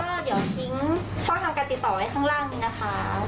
ก็เดี๋ยวทิ้งช่องทางการติดต่อไว้ข้างล่างนี้นะคะ